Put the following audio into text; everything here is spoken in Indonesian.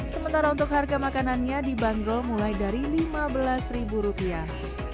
sementara untuk harga makanannya dibanderol mulai dari lima belas ribu rupiah